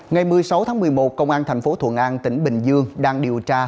ngày một mươi sáu tháng một mươi một công an tp thuận an tỉnh bình dương đang điều tra